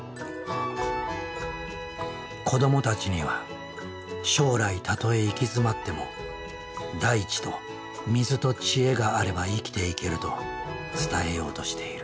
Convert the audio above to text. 子どもたちには「将来たとえ行き詰まっても大地と水と知恵があれば生きていける」と伝えようとしている。